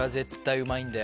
うまいんだよ。